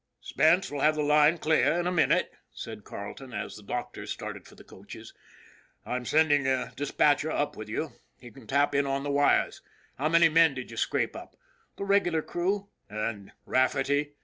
" Spence will have the line clear in a minute," said Carleton, as the doctors started for the coaches. " I'm sending a dispatcher up with you ; he can tap in on the wires. How many men did you scrape up ?"' The regular crew." "And Rafferty?"